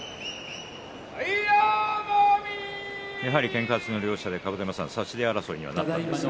やはり、けんか四つの両者差し手争いにはなったんですが。